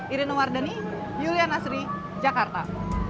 irina wardeni yuliana sri jakarta